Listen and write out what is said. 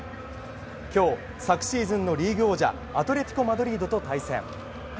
今日、昨シーズンのリーグ王者アトレティコ・マドリードと対戦。